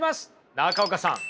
中岡さん。